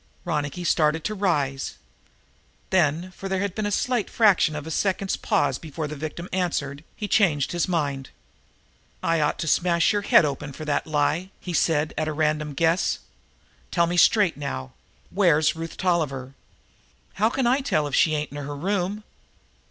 Ronicky started to rise, then, for there had been a slight fraction of a second's pause before the victim answered, he changed his mind. "I ought to smash your head open for that lie," he said at a random guess. "Tell me straight, now, where's Ruth Tolliver?" "How can I tell, if she ain't in her room?"